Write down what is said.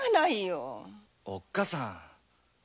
おっ母さん。